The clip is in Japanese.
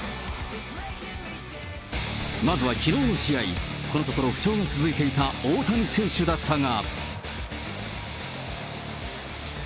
まずはきのうの試合、このところ不調が続いていた大谷選手だったが。